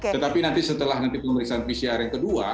tetapi nanti setelah nanti pemeriksaan pcr yang kedua